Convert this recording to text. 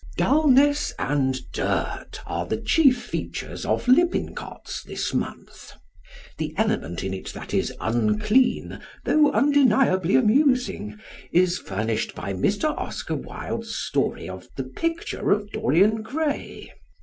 Dulness and dirt are the chief features of Lippincott's this month. The element in it that is unclean, though undeniably amusing, is furnished by Mr. Oscar Wilde's story of "The Picture of Dorian Gray."